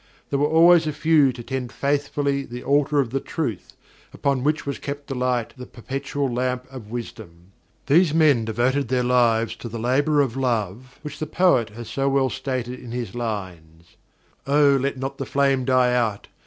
There were always a few to tend faithfully the altar of the Truth, upon which was kept alight the Perpetual Lamp of Wisdom. These men devoted their lives to the labor of love which the poet has so well stated in his lines: "O, let not the flame die out!